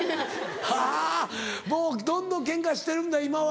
はぁもうどんどんケンカしてるんだ今は。